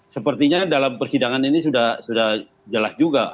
sepertinya dalam persidangan ini sudah jelas juga